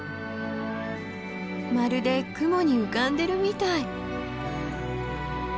まるで雲に浮かんでるみたい。